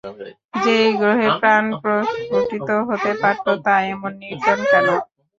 যেই গ্রহে প্রাণ প্রস্ফুটিত হতে পারত তা এমন নির্জন কেন?